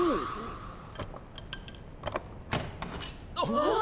あっ！